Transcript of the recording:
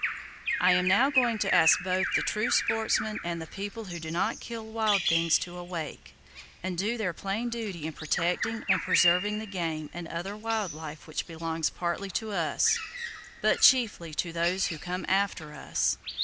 I am now going to ask both the true sportsman and the people who do not kill wild things to awake, and do their plain duty in protecting and preserving the game and other wild life which belongs partly to us, but chiefly to those who come after us.